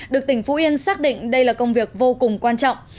được tỉnh phú yên xác định đây là công việc vô cùng quan trọng